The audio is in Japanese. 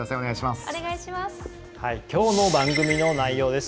きょうの番組の内容です。